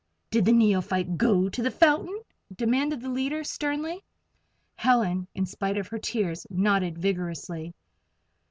"Did the Neophyte go to the fountain?" demanded the leader, sternly. Helen, in spite of her tears, nodded vigorously.